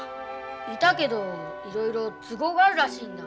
いたけどいろいろ都合があるらしいんだ。